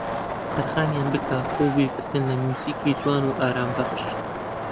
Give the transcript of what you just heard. تەرخانیان بکە بۆ گوێگرتن لە موزیکی جوان و ئارامبەخش